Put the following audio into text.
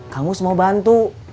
kang mus mau bantu